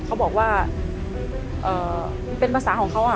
เขาบอกว่าเป็นภาษาของเขา